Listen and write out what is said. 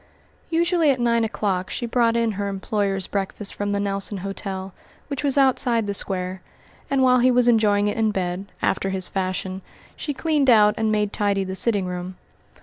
Usually at nine o'clock she brought in her employer's breakfast from the Nelson Hotel, which was outside the Square, and while he was enjoying it in bed, after his fashion, she cleaned out and made tidy the sitting room.